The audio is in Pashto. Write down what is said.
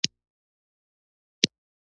ایا ښځینه پایواز اجازه لري؟